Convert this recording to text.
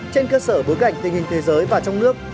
trên cơ sở bối cảnh tình hình thế giới và trong nước